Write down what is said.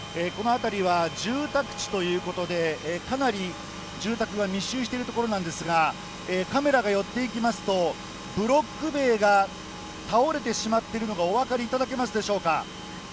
この辺りは住宅地ということで、かなり住宅が密集してる所なんですが、カメラが寄っていきますと、ブロック塀が倒れてしまっているのがお分かりいただけますでしょうか。